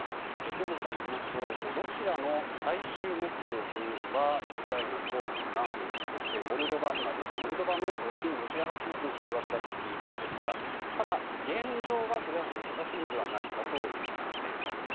兵頭さんによりますとロシアの最終目標というのがウクライナ東部や南部そしてモルドバの親ロシア派地域の掌握ということですがただ現状はこれは難しいのではないかというふうにみています。